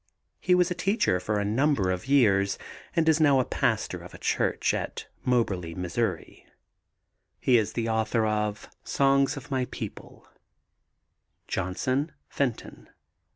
He was a teacher for a number of years and is now a pastor of a church at Moberly, Mo. He is the author of Songs of My People. JOHNSON, FENTON.